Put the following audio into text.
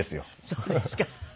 そうですか。